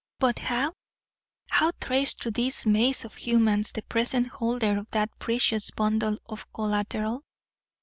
But how? How trace through this maze of humans the present holder of that precious bundle of collateral?